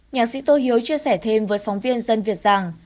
nhạc sĩ tô hiếu chia sẻ thêm với phóng viên dân việt rằng